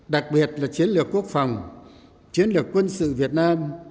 đặc biệt là chiến lược quốc phòng chiến lược quân sự việt nam